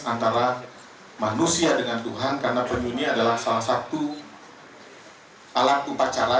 antara manusia dengan tuhan karena penyu ini adalah salah satu alat upacara